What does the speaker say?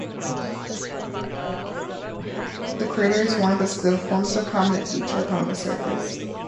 The crater is worn, but still forms a prominent feature upon the surface.